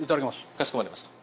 かしこまりました。